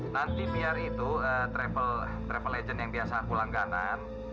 nanti biar itu travel agent yang biasa aku langganan